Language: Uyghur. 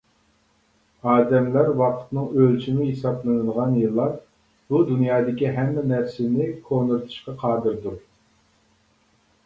ئادەملەر ۋاقىتنىڭ ئۆلچىمى ھېسابلىنىدىغان يىللار بۇ دۇنيادىكى ھەممە نەرسىنى كونىرىتىشقا قادىردۇر.